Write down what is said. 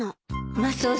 マスオさん